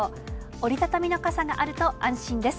折り畳みの傘があると安心です。